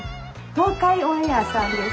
東海オンエアさんです。